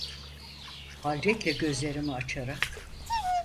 Hayretle gözlerimi açarak: